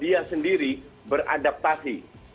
dia sendiri beradaptasi